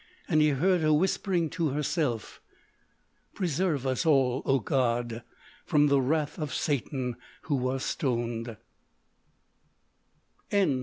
And he heard her whispering to herself: "Preserve us all, O God, from the wrath of Satan who was stoned."